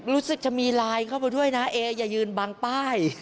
รู้สึกจะมีไลน์เข้าไปด้วยนะเอออย่ายืนบังป้าย